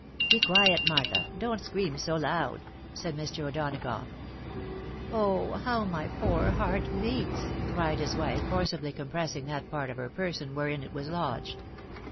" Be quiet, Martha ! Don't scream so loud," said Mr. O'Donagough. " Oh ! how my poor heart beats !" cried his wife, forcibly compressing that part of her person wherein it was lodged.